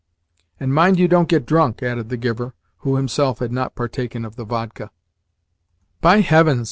"And mind you don't get drunk," added the giver, who himself had not partaken of the vodka. "By heavens!"